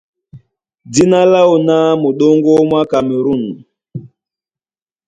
Dína láō ná Muɗóŋgó mwá Kamerûn.